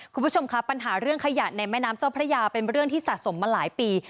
คุณผู้ชมครับปัญหาเรื่องขยะในแม่น้ำเจ้าพระยาเป็นเรื่องที่สะสมมาหลายปี